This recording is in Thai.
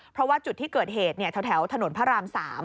เพราะว่าจุดที่เกิดเหตุแถวถนนพระราม๓